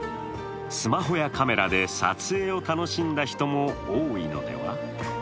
スマホやカメラで撮影を楽しんだ人も多いのでは。